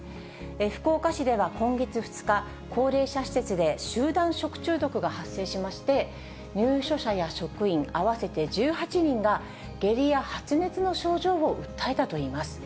福岡市では今月２日、高齢者施設で集団食中毒が発生しまして、入所者や職員合わせて１８人が、下痢や発熱の症状を訴えたといいます。